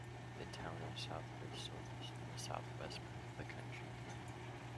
The Town of South Bristol is in the southwest part of the county.